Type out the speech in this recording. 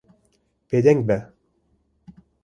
Bêdeng be.